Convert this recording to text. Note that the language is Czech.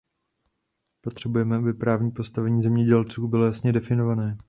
Potřebujeme, aby právní postavení zemědělců bylo jasně definované.